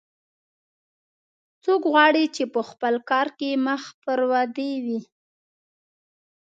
څوک غواړي چې په خپل کار کې مخ پر ودې وي